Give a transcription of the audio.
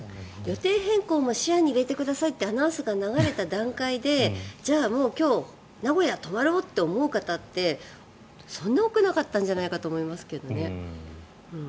予定変更も視野に入れてくださいってアナウンスが流れた段階でじゃあもう今日名古屋に泊まろうと思う方ってそんなに多くなかったんじゃないかと思いますけどね。